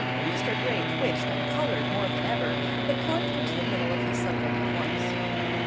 Mr. Gray twitched and coloured more than ever; but plunged into the middle of his subject at once.